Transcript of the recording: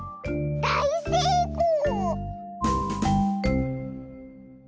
だいせいこう！